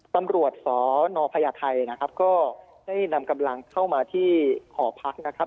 ตำรวจสนพญาไทยนะครับก็ได้นำกำลังเข้ามาที่หอพักนะครับ